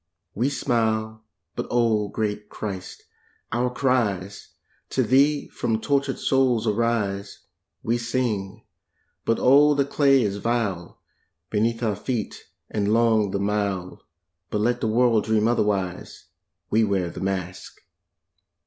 We smile, but oh great Christ, our cries To Thee from tortured souls arise. We sing, but oh the clay is vile Beneath our feet, and long the mile, But let the world dream otherwise, We wear the mask!